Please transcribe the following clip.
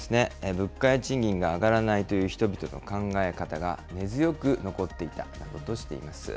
物価や賃金が上がらないという人々の考え方が根強く残っていたなどとしています。